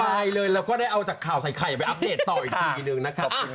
สบายเลยแล้วก็ได้เอาจากข่าวใส่ไข่ไปอัปเดตต่ออีกนิดนึงนะคะ